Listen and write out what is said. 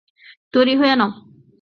তৈরি হয়ে নাও।